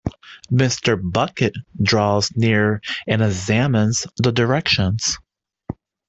Mr. Bucket draws near and examines the directions.